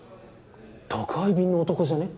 宅配便の男じゃね？